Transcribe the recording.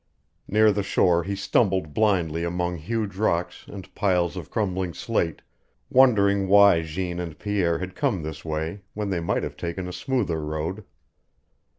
Near the shore he stumbled blindly among huge rocks and piles of crumbling slate, wondering why Jeanne and Pierre had come this way when they might have taken a smoother road.